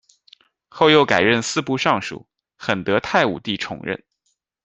后又改任四部尚书，很得太武帝宠任。